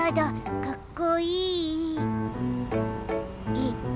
えっ？